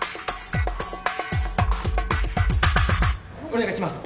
お願いします。